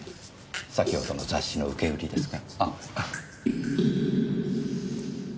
先ほどの雑誌の受け売りですが。